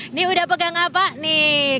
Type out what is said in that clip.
ini udah pegang apa nih